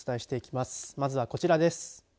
まずはこちらです。